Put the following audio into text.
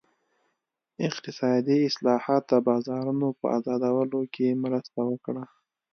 اقتصادي اصلاحات د بازارونو په ازادولو کې مرسته وکړي.